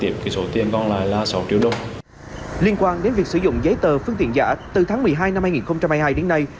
liên quan đến việc sử dụng giấy tờ phương tiện giả từ tháng một mươi hai năm hai nghìn hai mươi hai đến nay